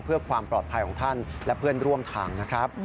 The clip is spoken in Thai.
เพื่อความปลอดภัยของท่านและเพื่อนร่วมทางนะครับ